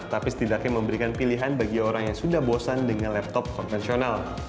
tapi setidaknya memberikan pilihan bagi orang yang sudah bosan dengan laptop konvensional